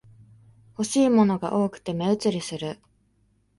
欲しいものが多くて目移りする